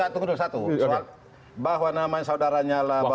tunggu dulu satu soal bahwa namanya saudaranya lah bahwa